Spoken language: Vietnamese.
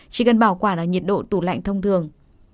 chỉ cần bảo quản ở nhiệt độ tủ lạnh thông thường